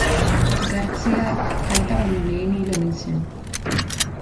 Gartzea aita baino lehen hil omen zen.